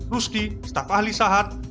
rusdi staf ahli sahat